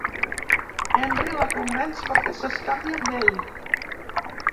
Henry la convenç perquè s'escapi amb ell.